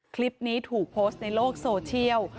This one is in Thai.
คลิปนี้ถูกโพสต์ในโลกโซเชียล